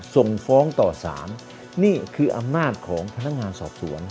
ส่งฟ้องต่อสารนี่คืออำนาจของพนักงานสอบสวน